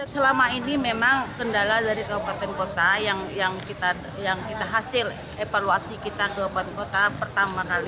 selama ini memang kendala dari kabupaten kota yang kita hasil evaluasi kita ke kabupaten kota pertama kali